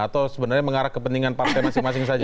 atau sebenarnya mengarah kepentingan partai masing masing saja